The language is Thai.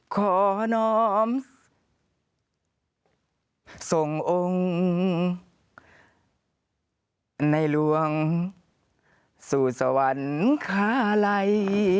ขอน้อมส่งองค์ในหลวงสู่สวรรคาลัย